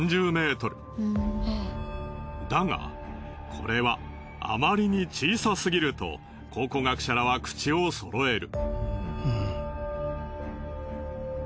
だがこれはあまりに小さすぎると考古学者らは口を揃える。